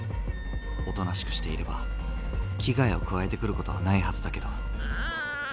おとなしくしていれば危害を加えてくることはないはずだけど。